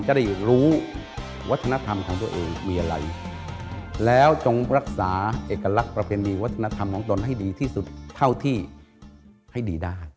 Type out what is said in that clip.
จะได้รู้วัฒนธรรมของตัวเองมีอะไรแล้วจงรักษาเอกลักษณ์ประเพณีวัฒนธรรมของตนให้ดีที่สุดเท่าที่ให้ดีได้